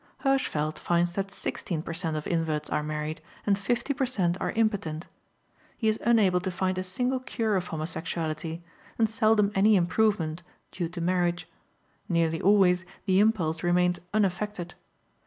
Hirschfeld finds that 16 per cent. of inverts are married and 50 per cent. are impotent; he is unable to find a single cure of homosexuality, and seldom any improvement, due to marriage; nearly always the impulse remains unaffected.